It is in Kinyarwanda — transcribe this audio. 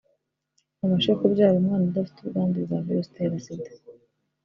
abashe kubyara umwana udafite ubwandu bwa virusi itera Sida